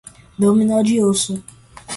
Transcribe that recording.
Dominó de osso